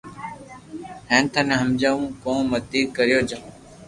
ھين ٿني ھمجاوُ ڪو متي ڪرتو جا